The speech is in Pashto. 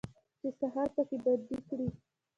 چې سهار پکې بندي کړي